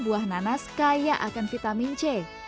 buah nanas kaya akan vitamin c